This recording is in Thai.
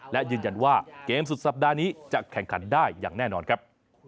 และยืนยันว่าเกมสุดสัปดาห์นี้จะแข่งขันได้อย่างแน่นอนครับ